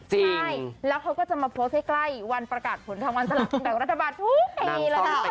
ใช่แล้วเขาจะมาโพสต์ให้ใกล้วันประกาศขนาดสำหรับรัฐบาลทุกปี